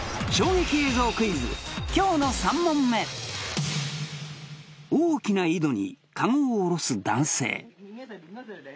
今日の３問目大きな井戸にカゴを下ろす男性